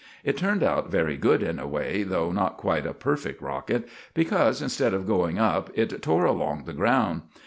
It turned out very good in a way, though not quite a perfect rocket, because instead of going up it tore along the ground.